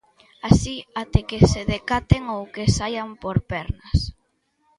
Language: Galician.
Así, até que se decaten ou que saian por pernas...